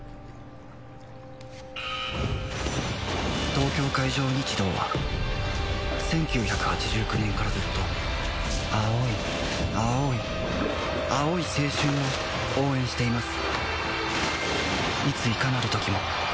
東京海上日動は１９８９年からずっと青い青い青い青春を応援しています